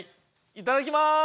いただきます！